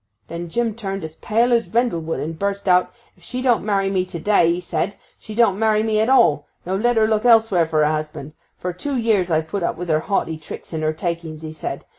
Then Jim turned as pale as rendlewood, and busted out, "If she don't marry me to day," 'a said, "she don't marry me at all! No; let her look elsewhere for a husband. For tew years I've put up with her haughty tricks and her takings," 'a said.